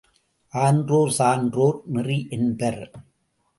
ஆன்றோர், சான்றோர் நெறி என்பர்!